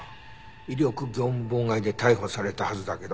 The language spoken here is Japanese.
威力業務妨害で逮捕されたはずだけど。